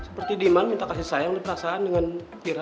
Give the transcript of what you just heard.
seperti diman minta kasih sayang dan perasaan dengan yura